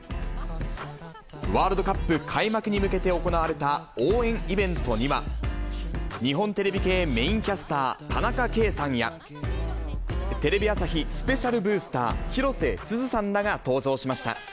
ワールドカップ開幕に向けて行われた応援イベントには、日本テレビ系メインキャスター、田中圭さんや、テレビ朝日スペシャルブースター、広瀬すずさんらが登場しました。